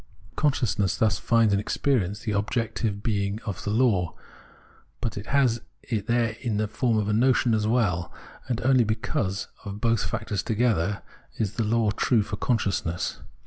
Consciousness thus 'finds in experience the objective being of the law, but has it there in the form of a notion as well ; and only because of both factors together is the law true for consciousness.